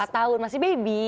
empat tahun masih bayi